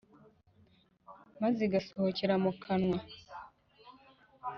maze igasohokera mu kanwa.